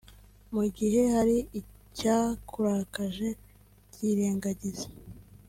Mu gihe hari icyakurakaje byirengagize